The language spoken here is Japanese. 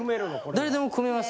誰でも汲めます